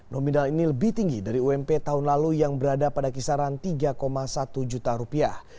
nominal ini lebih tinggi dari ump tahun lalu yang berada pada kisaran tiga satu juta rupiah